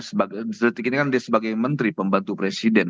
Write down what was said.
sebagai detik ini kan dia sebagai menteri pembantu presiden